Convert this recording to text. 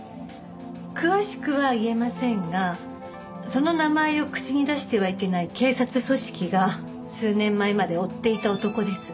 詳しくは言えませんがその名前を口に出してはいけない警察組織が数年前まで追っていた男です。